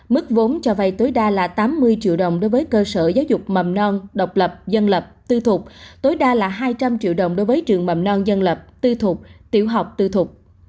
mức vốn cho vay tối đa là tám mươi triệu đồng đối với cơ sở giáo dục mầm non độc lập dân lập tư thuộc tối đa là hai trăm linh triệu đồng đối với trường mầm non dân lập tư thục tiểu học tư thuộc